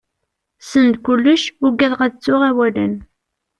Send kullec, ugadaɣ ad ttuɣ awalen.